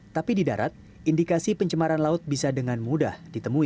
tapi di darat indikasi pencemaran laut bisa dengan mudah ditemui